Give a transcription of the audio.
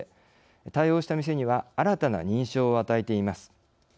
対応した店には新たな認証を与えています。